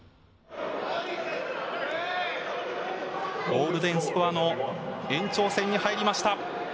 ゴールデンスコアの延長戦に入りました。